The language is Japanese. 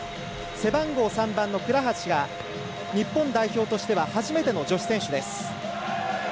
背番号３番の倉橋が日本代表としては初めての女子選手です。